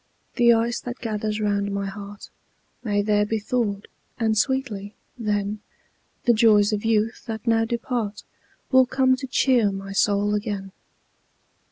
The ice that gathers round my heart May there be thawed; and sweetly, then, The joys of youth, that now depart, Will come to cheer my soul again.